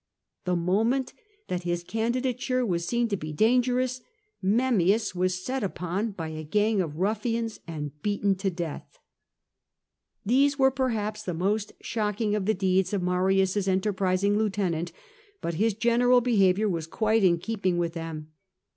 The moment that his candidature was seen to be dangerous, Memmius was set upon by a gang of ruffians and beaten to death. These were perhaps the most shocking of the deeds of Marius's enterprising lieutenant, but his general be haviour was quite in keeping with them.